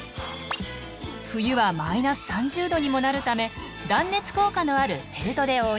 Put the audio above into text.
冬はマイナス３０℃にもなるため断熱効果のあるフェルトで覆います。